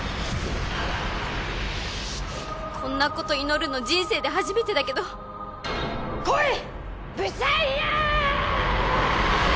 こんなこと祈るの人生で初めてだけど来いぶしゃ家！！